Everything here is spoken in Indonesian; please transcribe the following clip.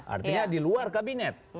artinya di luar kabinet